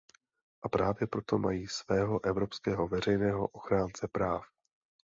A právě proto mají svého evropského veřejného ochránce práv.